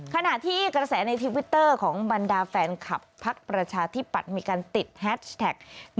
ขณะที่กระแสในทวิตเตอร์ของบรรดาแฟนคลับพักประชาธิปัตย์มีการติดแฮชแท็ก